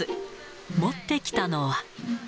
持ってきたのは。